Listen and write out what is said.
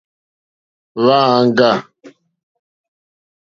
Hwá āŋɡâ.